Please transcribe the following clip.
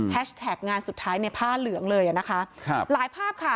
งานสุดท้ายในผ้าเหลืองเลยอ่ะนะคะครับหลายภาพค่ะ